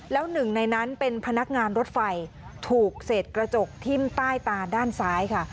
แล้วหนึ่งในนั้นเป็นพนักงานรถไฟถูกเศษกระจกทิ้มใต้ตาด้านซ้ายค่ะ